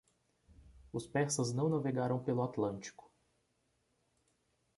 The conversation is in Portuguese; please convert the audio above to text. Os persas não navegaram pelo Atlântico